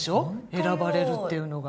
選ばれるっていうのが。